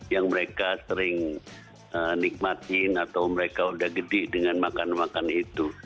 yang mereka sering nikmatin atau mereka udah gede dengan makan makan itu